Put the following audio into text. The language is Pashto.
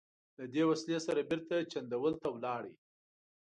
له دې وسلې سره بېرته جندول ته ولاړ.